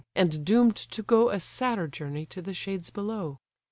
and doom'd to go A sadder journey to the shades below.